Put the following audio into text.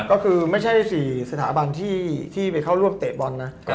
ก็คือไม่ใช่๔สถาบันที่ไปเข้าร่วมเตะบอลนะ